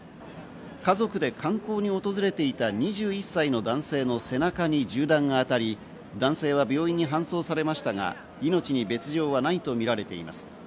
家族で観光に訪れていた２１歳の男性の背中に銃弾があたり、男性は病院に搬送されましたが、命に別条はないとみられています。